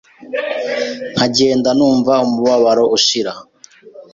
nkagenda numva umubabaro ushira